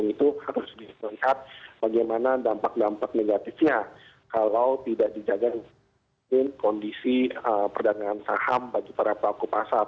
itu harus dilihat bagaimana dampak dampak negatifnya kalau tidak dijaga kondisi perdagangan saham bagi para pelaku pasar